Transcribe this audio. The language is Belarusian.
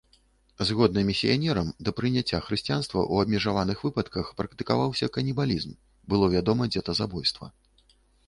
Згодна місіянерам, да прыняцця хрысціянства ў абмежаваных выпадках практыкаваўся канібалізм, было вядома дзетазабойства.